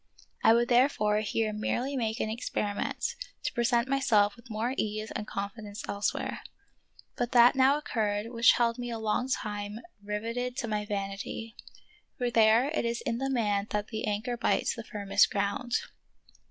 I would therefore here merely make an experi ment, to present myself with more ease and con fidence elsewhere. But that now occurred which held me a long time riveted to my vanity; for there it is in the man that the anchor bites the firmest ground.